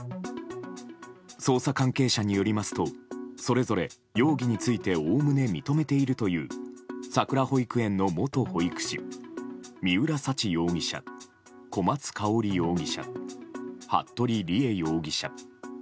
捜査関係者によりますとそれぞれ容疑についておおむね認めているというさくら保育園の元保育士三浦沙知容疑者小松香織容疑者、服部理江容疑者。